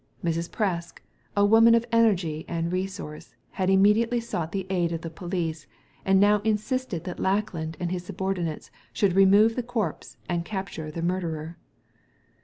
Mrs. Presk, a woman of energy and resource, had immediately sought the aid of the police, and now insisted that Lackland and his subordinates should remove the corpse and capture the murderer.